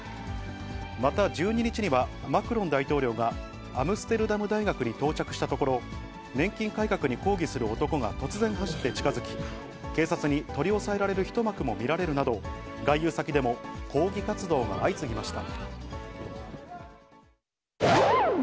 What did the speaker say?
また１２日には、マクロン大統領がアムステルダム大学に到着したところ、年金改革に抗議する男が突然走って近づき、警察に取り押さえられる一幕も見られるなど、外遊先でも抗議活動が相次ぎました。